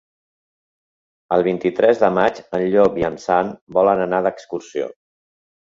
El vint-i-tres de maig en Llop i en Sam volen anar d'excursió.